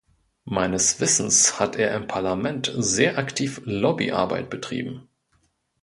Meines Wissens hat er im Parlament sehr aktiv Lobbyarbeit betrieben.